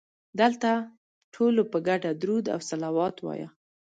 دلته ټولو په ګډه درود او صلوات وایه.